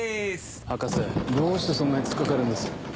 博士どうしてそんなに突っ掛かるんです？